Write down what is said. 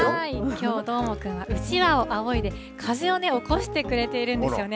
きょうはどーもくんは、うちわをあおいで、風を起こしてくれているんですよね。